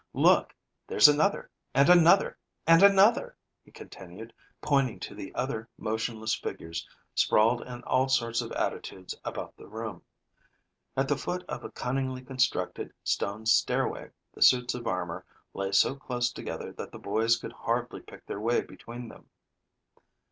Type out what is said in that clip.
Look! there's another and another and another," he continued, pointing to the other motionless figures sprawled in all sorts of attitudes about the room. At the foot of a cunningly constructed stone stairway, the suits of armor lay so close together that the boys could hardly pick their way between them.